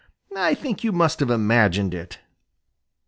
I think you must have imagined it."